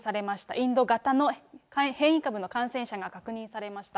インド型の変異株の感染者が確認されました。